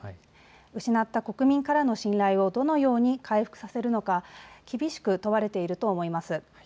失った国民からの信頼をどのように回復させるのか厳しく問われていると言えます。